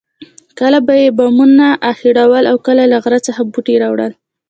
کله به یې بامونه اخیړول او کله له غره څخه بوټي راوړل.